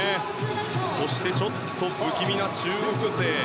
そしてちょっと不気味な中国勢。